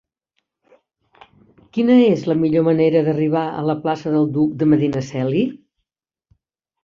Quina és la millor manera d'arribar a la plaça del Duc de Medinaceli?